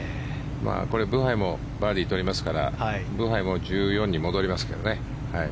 これ、ブハイもバーディーを取りますからブハイも１４に戻りますけどね。